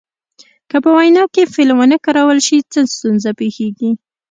که په وینا کې فعل ونه کارول شي څه ستونزه پیښیږي.